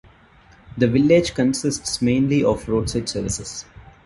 The village consists mainly of roadside services.